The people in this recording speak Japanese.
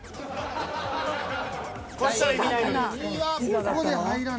ここで入らな。